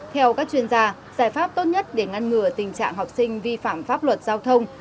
theo các chuyên gia giải pháp tốt nhất để ngăn ngừa tình trạng học sinh vi phạm pháp luật giao thông